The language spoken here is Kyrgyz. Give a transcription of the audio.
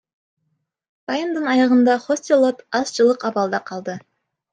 Таймдын аягында Хосилот азчылык абалда калды.